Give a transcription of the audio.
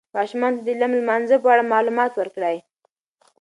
ماشومانو ته د لم لمانځه په اړه معلومات ورکړئ.